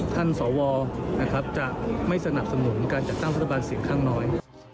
ท่านสวนะครับจะไม่สนับสนุนการจัดตั้งสถาบันศิลป์ข้างน้อย